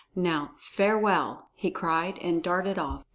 Now farewell!" he cried, and darted off.